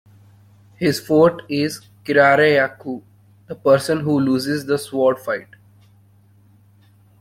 His forte is "kirareyaku", the person who loses the sword fight.